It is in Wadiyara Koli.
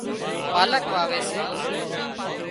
پالڪ واوي سي